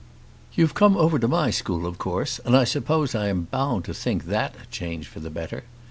"You've come over to my school of course, and I suppose I am bound to think that a change for the better.